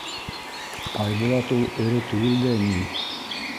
— Айбулат ул эре түгел дә ни.